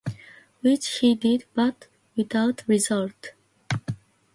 Which he did, but without result.